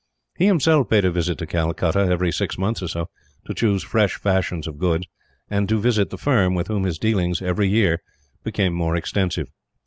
He himself paid a visit to Calcutta, every six months or so, to choose fresh fashions of goods; and to visit the firm, with whom his dealings, every year, became more extensive.